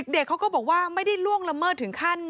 เด็กเขาก็บอกว่าไม่ได้ล่วงละเมิดถึงขั้น